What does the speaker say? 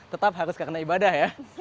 tetap harus karena ibadah ya